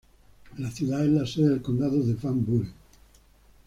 La ciudad es la sede del condado de Van Buren.